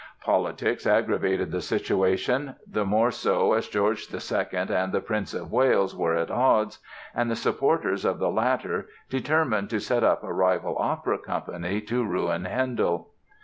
Politics aggravated the situation, the more so as George II and the Prince of Wales were at odds and the supporters of the latter, determined to set up a rival opera company to ruin Handel.